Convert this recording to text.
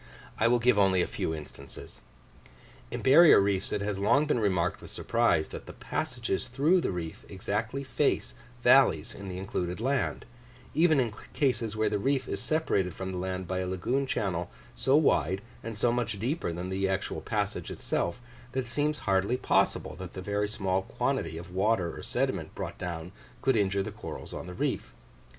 I will give only a few instances. In barrier reefs it has long been remarked with surprise, that the passages through the reef exactly face valleys in the included land, even in cases where the reef is separated from the land by a lagoon channel so wide and so much deeper than the actual passage itself, that it seems hardly possible that the very small quantity of water or sediment brought down could injure the corals on the reef.